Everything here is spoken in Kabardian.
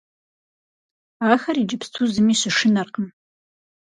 Ахэр иджыпсту зыми щышынэркъым.